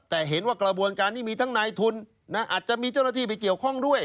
แต่เห็นว่ากระบวนการนี้มีทั้งนายทุนอาจจะมีเจ้าหน้าที่ไปเกี่ยวข้องด้วย